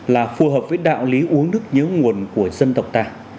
là phù hợp với đạo lý uống nước nhớ nguồn của dân tộc ta